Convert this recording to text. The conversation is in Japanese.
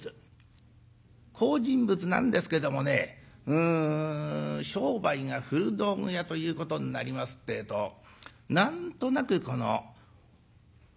好人物なんですけどもねうん商売が古道具屋ということになりますてえと何となくこの押しが弱いようでございまして。